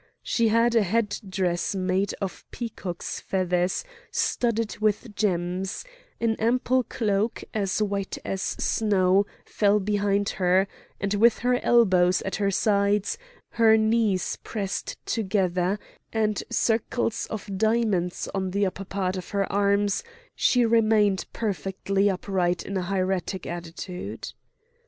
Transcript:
She had a headdress made of peacock's feathers studded with gems; an ample cloak, as white as snow, fell behind her,—and with her elbows at her sides, her knees pressed together, and circles of diamonds on the upper part of her arms, she remained perfectly upright in a hieratic attitude.